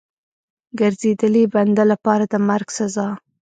ګرځېدلي بنده لپاره د مرګ سزا.